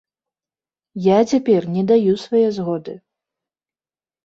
Я цяпер не даю свае згоды.